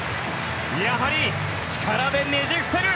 やはり力でねじ伏せる！